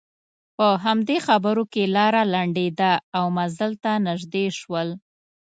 په همدې خبرو کې لاره لنډېده او منزل ته نژدې شول.